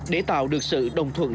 để tạo được sự đồng thuận